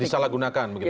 disalahgunakan begitu ya